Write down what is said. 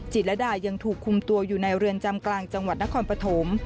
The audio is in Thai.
ระดายังถูกคุมตัวอยู่ในเรือนจำกลางจังหวัดนครปฐม